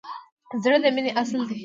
زړه د مینې اصل دی.